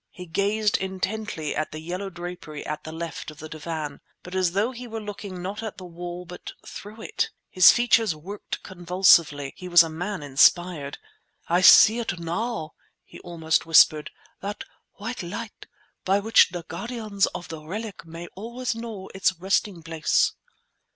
He gazed intently at the yellow drapery at the left of the divan, but as though he were looking not at the wall but through it. His features worked convulsively; he was a man inspired. "I see it now!" he almost whispered—"that white light by which the guardians of the relic may always know its resting place!"